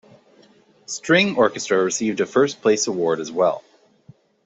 String Orchestra received a first place award as well.